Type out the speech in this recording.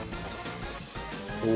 お！